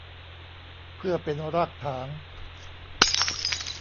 เพื่อเป็นรากฐาน